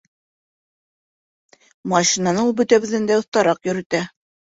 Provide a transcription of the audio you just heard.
Машинаны ул бөтәбеҙҙән дә оҫтараҡ йөрөтә!